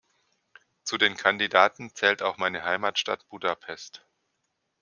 Zu den Kandidaten zählt auch meine Heimatstadt Budapest.